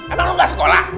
emang lo gak sekolah